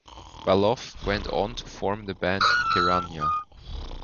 Baloff went on to form the band Piranha.